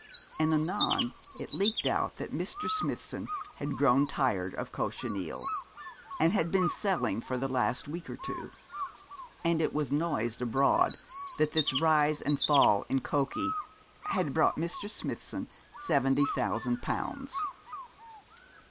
And anon it leaked out that Mr. Smithson had grown tired of cochineal, and had been selling for the last week or two; and it was noised abroad that this rise and fall in cocci had brought Mr. Smithson seventy thousand pounds.